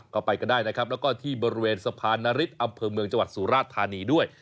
ก็ไปกันได้นะครับแล้วก็ที่บริเวณสะพานนฤทธิ์อำเภอเมืองจังหวัดสุราชธานีด้วย